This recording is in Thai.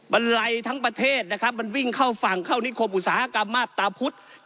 ไลทั้งประเทศนะครับมันวิ่งเข้าฝั่งเข้านิคมอุตสาหกรรมมาบตาพุทธ